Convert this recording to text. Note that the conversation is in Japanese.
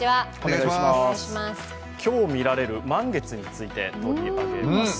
今日見られる満月について取り上げます。